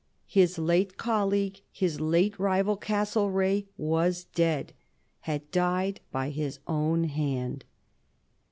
His late colleague, his late rival, Castlereagh, was dead had died by his own hand.